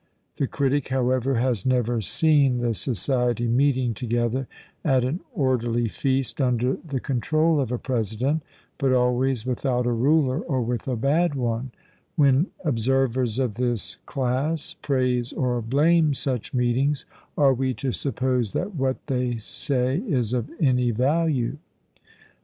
The critic, however, has never seen the society meeting together at an orderly feast under the control of a president, but always without a ruler or with a bad one: when observers of this class praise or blame such meetings, are we to suppose that what they say is of any value?